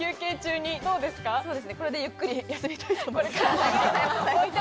これでゆっくり休みたいと思います。